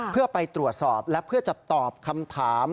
เพื่อไปตรวจสอบและเพื่อจะตอบคำถาม